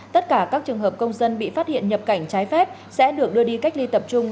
tất cả các trường hợp công dân bị phát hiện nhập cảnh trái phép sẽ được đưa đi cách ly tập trung